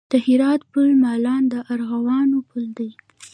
د هرات پل مالان د ارغوانو پل دی